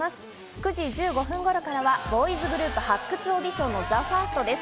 ９時１５分頃からはボーイズグループ発掘オーディションのＴＨＥＦＩＲＳＴです。